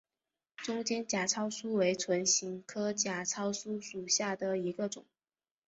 中间假糙苏为唇形科假糙苏属下的一个种。